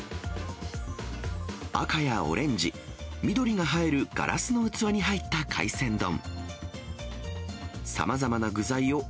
赤やオレンジ、緑が映える、ガラスの器に入った海鮮丼。